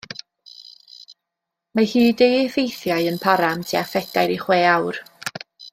Mae hyd ei effeithiau yn para am tua phedair i chwe awr.